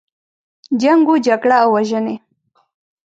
جنګ و جګړه او وژنې.